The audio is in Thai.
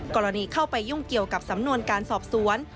กรณีเข้าไปยุ่งเกี่ยวกับสำนวนการสอบสวน